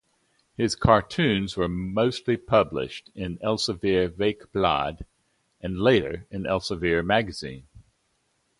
His cartoons were mostly published in Elsevier Weekblad and later in "Elsevier Magazine".